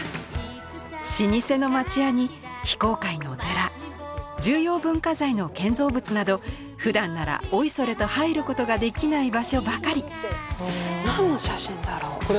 老舗の町家に非公開のお寺重要文化財の建造物などふだんならおいそれと入ることができない場所ばかり。